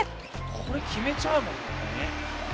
これ決めちゃうもんね。